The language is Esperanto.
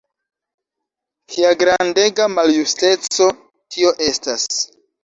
Kia grandega maljusteco tio estas!